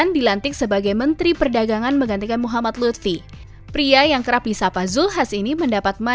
dan menjaga kemampuan kita